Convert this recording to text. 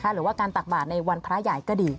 หรือว่าการตักบาทในวันพระใหญ่ก็ดี